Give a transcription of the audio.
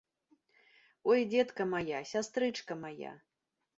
Ой, дзетка мая, сястрычка мая!